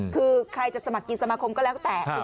คือใครจะสมัครกินสมาคมก็แล้วแต่